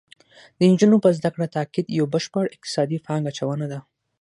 د نجونو په زده کړه تاکید یو بشپړ اقتصادي پانګه اچونه ده